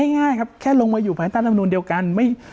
ง่ายครับแค่ลงมาอยู่ภายใต้รำนูลเดียวกัน